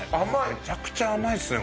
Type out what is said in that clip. めちゃくちゃ甘いっすね